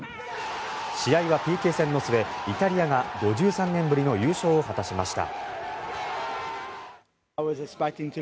試合はＰＫ戦の末イタリアが５３年ぶりの優勝を果たしました。